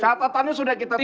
catatannya sudah kita terima